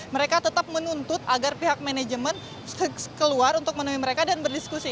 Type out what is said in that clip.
mereka tetap menuntut agar pihak manajemen keluar untuk menemui mereka dan berdiskusi